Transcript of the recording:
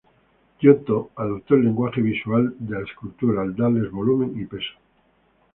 Giotto adoptó el lenguaje visual de la escultura al darles volumen y peso.